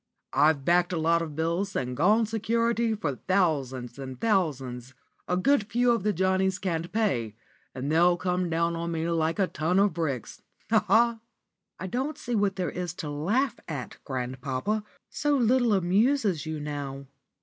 "I've backed a lot of bills, and gone security for thousands and thousands. A good few of the Johnnies can't pay, and they'll come down on me like a ton of bricks. Ha, ha!" "I don't see what there is to laugh at, grandpapa. So little amuses you now."